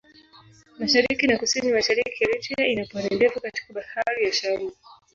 Mashariki na Kusini-Mashariki Eritrea ina pwani ndefu katika Bahari ya Shamu.